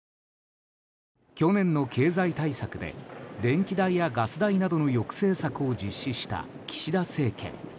去年の経済対策で電気代やガス代などの抑制策を実施した岸田政権。